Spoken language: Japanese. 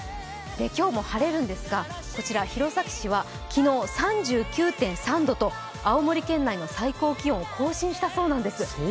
今日も晴れるんですがこちら弘前市は、昨日３９．３度と青森県内の最高気温を更新したそうなんです。